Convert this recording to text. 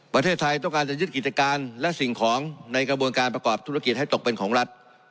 ประเทศไทยต้องการจะยึดกิจการและสิ่งของในกระบวนการประกอบธุรกิจให้ตกเป็นของรัฐ